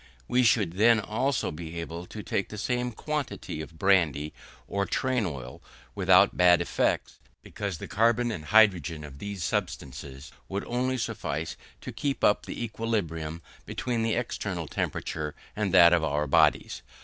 We should then also be able to take the same quantity of brandy or train oil without bad effects, because the carbon and hydrogen of these substances would only suffice to keep up the equilibrium between the external temperature and that of our bodies.